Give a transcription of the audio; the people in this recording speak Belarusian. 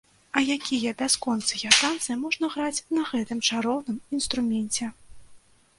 А якія бясконцыя танцы можна граць на гэтым чароўным інструменце!